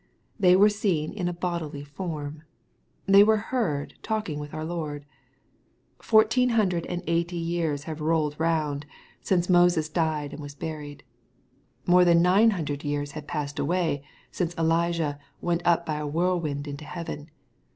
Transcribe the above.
They were seen in a bodily form. They were heard talking with our Lord. Foui teen hundred and eighty years had rolled round, sinco MATTHEW, OHAP. XVII. 207 Hoses died.3iid was buried. More than nine hundred years had passed away, since Elijah "went up by a whirlwind into heaven.''